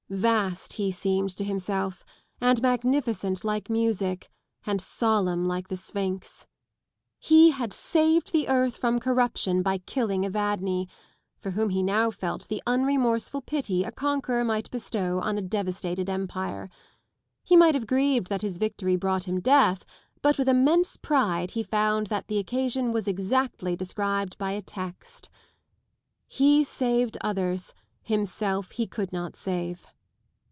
Vast he seemed to himself, and magnificent like music, and solemn like the Sphinx. He had saved the earth from corruption by killing Evadne, for whom he now felt the unremorseful pity a conqueror might bestow on a devastated empire. He might have grieved that his victory brought him death, but with immense pride he found that the occasion was exactly described by a text. *' He saved others, Himself He could not save."